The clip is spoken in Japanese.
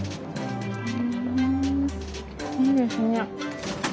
ふんいいですね。